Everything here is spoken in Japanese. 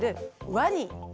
ワニ。